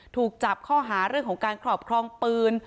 ถูกจับข้อหาเรื่องของการครอบครองปืน